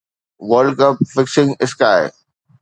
world cup fixing sky